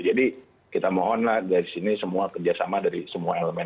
jadi kita mohonlah dari sini semua kerjasama dari semua elemen